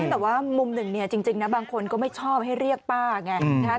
แต่ว่ามุมหนึ่งจริงนะบางคนก็ไม่ชอบให้เรียกป้าอย่างนี้